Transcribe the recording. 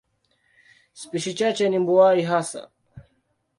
Spishi chache ni mbuai hasa.